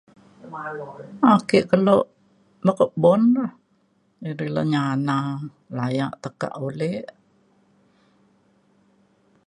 ake keluk no' kebun re edai re nyana layak tekak ulik.